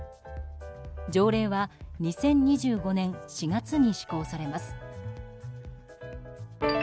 条例は２０２５年４月に施行されます。